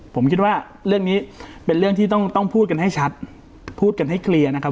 ผมคิดว่าเรื่องนี้เป็นเรื่องที่ต้องพูดกันให้ชัดพูดกันให้เคลียร์นะครับ